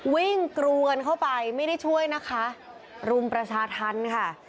กรวนเข้าไปไม่ได้ช่วยนะคะรุมประชาธรรมค่ะ